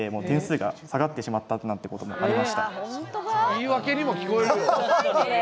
言い訳にも聞こえるよ。